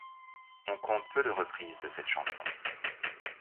On compte peu de reprises de cette chanson.